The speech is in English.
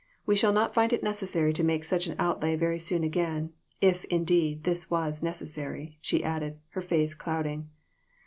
We shall not find it neces sary to make such an outlay very soon again ; if, indeed, this was necessary," she added, her face clouding.